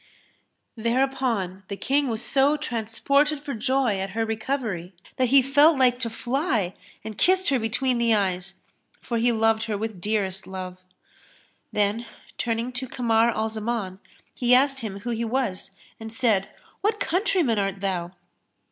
'" Thereupon the King was so transported for joy at her recovery that he felt like to fly and kissed her between the eyes, for he loved her with dearest love; then, turning to Kamar al Zaman, he asked him who he was, and said, "What countryman art thou?"